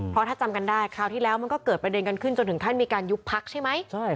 เพราะถ้าจำกันได้คราวที่แล้วมันก็เกิดประเด็นกันขึ้นจนถึงขั้นมีการยุบพักใช่ไหม